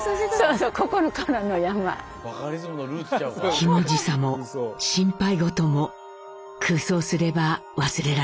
ひもじさも心配ごとも空想すれば忘れられました。